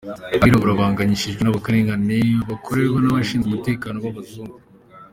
Abirabura bahangayikishijwe n'akarengane bakorerwa n'abashinzwe umutekano b'abazungu.